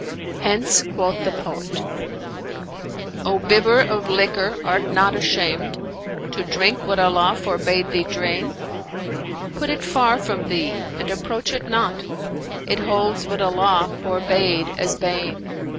'[FN#406] Hence quoth the poet, 'O bibber of liquor, art not ashamed * To drink what Allah forbade thee drain? Put it far from thee and approach it not; * It holds what Allah forbade as bane.'